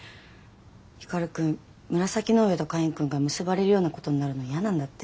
光くん紫の上とカインくんが結ばれるようなことになるのイヤなんだって。